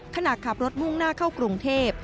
ขณะขับรถมุ่งหน้าเข้ากรุงเทพ